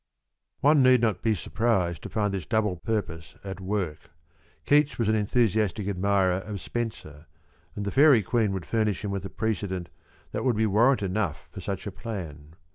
One need not be surprised to find this double purpose at work. Iveats was an enthusiastic admirer of Spenser, and the Faerie Qzieene would furnish him with a precedent that would be warrant enough for such a plan.